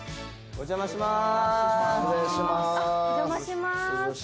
お邪魔します。